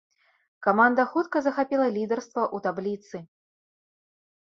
Каманда хутка захапіла лідарства ў табліцы.